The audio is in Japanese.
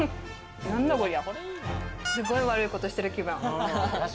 すごい悪いことしてる気分。